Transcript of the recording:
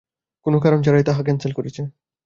কোনো কারণ ছাড়াই তা ক্যানসেল করেছ।